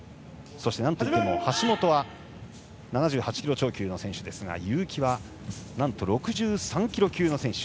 そしてなんといっても橋本は７８キロ超級の選手ですが結城はなんと６３キロ級の選手。